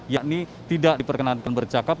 yakni tidak diperkenankan bercakap